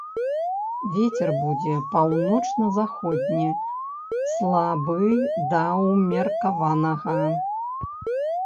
Вецер будзе паўночна-заходні, слабы да ўмеркаванага.